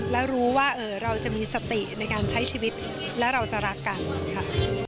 และรู้ว่าเราจะมีสติในการใช้ชีวิตและเราจะรักกันค่ะ